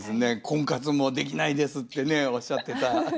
「婚活もできないです」ってねおっしゃってたのが。